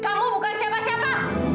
kamu bukan siapa siapa